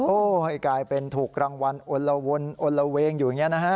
โอ้โหให้กลายเป็นถูกรางวัลอลละวนอนละเวงอยู่อย่างนี้นะฮะ